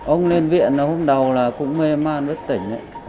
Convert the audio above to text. ông lên viện hôm đầu là cũng mê man bất tỉnh